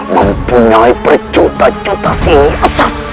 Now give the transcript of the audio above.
mempunyai perjuta juta siasat